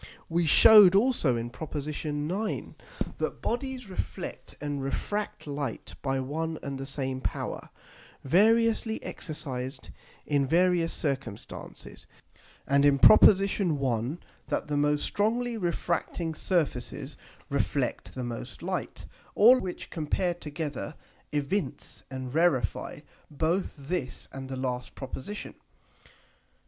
We shewed also in Prop. 9. that Bodies reflect and refract Light by one and the same power, variously exercised in various circumstances; and in Prop. 1. that the most strongly refracting Surfaces reflect the most Light: All which compared together evince and rarify both this and the last Proposition.